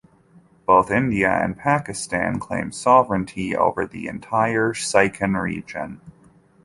Both India and Pakistan claim sovereignty over the entire Siachen region.